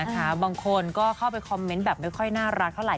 บางคนก็เข้าไปคอมเมนต์แบบไม่ค่อยน่ารักเท่าไห